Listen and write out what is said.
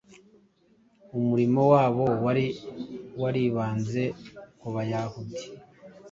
Umurimo wabo wari waribanze ku Bayahudi,